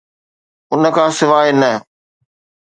ان کان سواء نه.